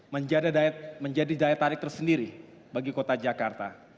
menjadi daya tarik tersendiri bagi kota jakarta